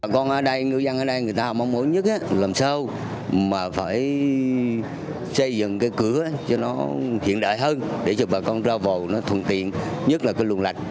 còn ở đây ngư dân ở đây người ta mong muốn nhất làm sao mà phải xây dựng cái cửa cho nó hiện đại hơn để cho bà con ra vầ nó thuận tiện nhất là cái luồng lạch